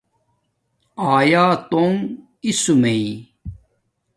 آیاتݸنݣآسمانݺݷ